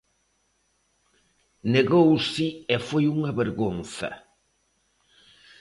Negouse e foi unha vergonza.